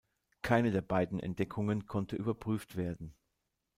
Keine der beiden Entdeckungen konnte überprüft werden.